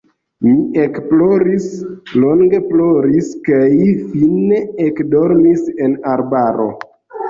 Mi ekploris, longe ploris kaj fine ekdormis en arbaro.